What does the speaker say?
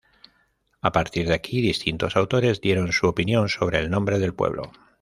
A partir de aquí, distintos autores dieron su opinión sobre el nombre del pueblo.